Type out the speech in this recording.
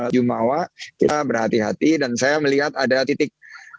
jumawa kita berhati hati dan saya melihat ada titik